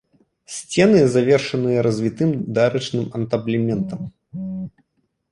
Сцены завершаныя развітым дарычным антаблементам.